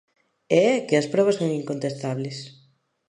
E é que as probas son incontestables.